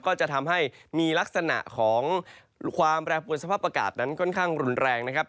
ก็จะทำให้มีลักษณะของความแปรปวนสภาพอากาศนั้นค่อนข้างรุนแรงนะครับ